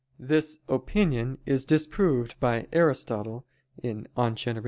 This opinion is disproved by Aristotle (De Gener.